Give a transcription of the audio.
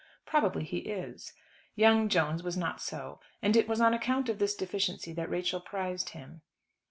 Probably he is. Young Jones was not so; and it was on account of this deficiency that Rachel prized him.